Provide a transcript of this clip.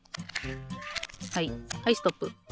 はいはいストップ。